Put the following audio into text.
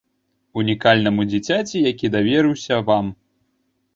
Унікальнаму дзіцяці, які даверыўся вам.